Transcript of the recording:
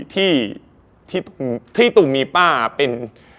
ที่ตุ้มมีป้าอะเป็น